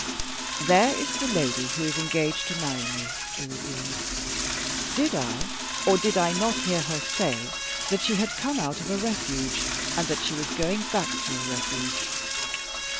"There is the lady who is engaged to marry me," he resumed. "Did I, or did I not, hear her say that she had come out of a Refuge, and that she was going back to a Refuge?